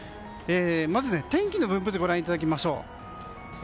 まず、天気の分布図をご覧いただきましょう。